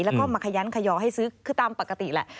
แล้วก็มาขยันขยอให้ซื้อคือตามปกติแหละ